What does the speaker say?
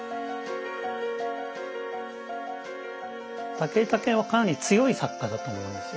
武井武雄はかなり強い作家だと思うんですよ。